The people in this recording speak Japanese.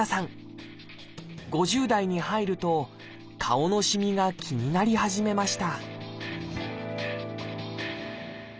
５０代に入ると顔のしみが気になり始めました